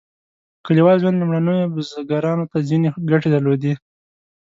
کلیوال ژوند لومړنیو بزګرانو ته ځینې ګټې درلودې.